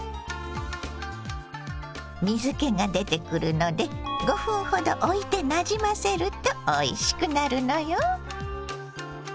水けが出てくるので５分ほどおいてなじませるとおいしくなるのよ。